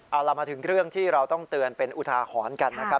เอาล่ะมาถึงเรื่องที่เราต้องเตือนเป็นอุทาหรณ์กันนะครับ